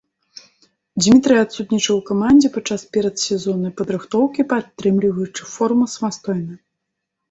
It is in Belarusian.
Дзмітрый адсутнічаў у камандзе падчас перадсезоннай падрыхтоўкі, падтрымліваючы форму самастойна.